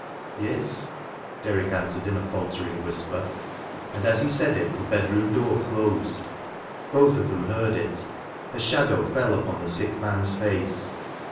" Yes,' ' Derrick answered in a faltering whisper, and aa he said it the bedroom door closed. Both of ^them heard it. A shadow fell upon the sick man's face.